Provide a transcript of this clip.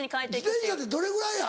自転車ってどれぐらいや？